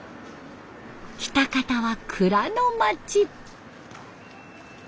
喜多方は蔵の町。